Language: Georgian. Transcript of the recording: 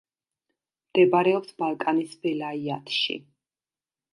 მდებარეობს ბალკანის ველაიათში.